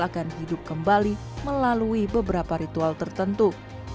akan hidup kembali melalui beberapa ritual tertentu